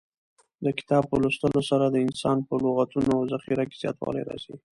د کتاب په لوستلو سره د انسان په لغتونو او ذخیره کې زیاتوالی راځي.